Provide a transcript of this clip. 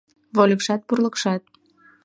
Вольыкшат Пурлыкшат